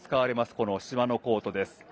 この芝のコートです。